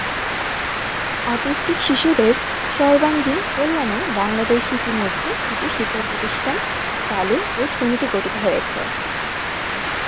Autistic শিশুদের সর্বাঙ্গীন কল্যাণে বাংলাদেশে ইতিমধ্যে কিছু শিক্ষা প্রতিষ্ঠান চালু ও সমিতি গঠিত হয়েছে।